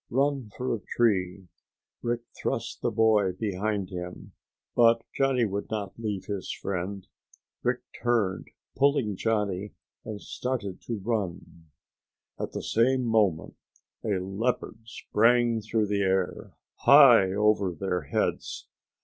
"Run for a tree!" Rick thrust the boy behind him, but Johnny would not leave his friend. Rick turned, pulling Johnny, and started to run. At the same moment a leopard sprang through the air, high over their heads.